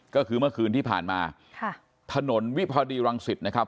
ก็คือเมื่อคืนที่ผ่านมาถนนวิพดีรังศิษฐ์นะครับ